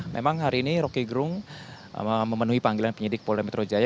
memang hari ini roky gerung memenuhi panggilan penyidik polda metro jaya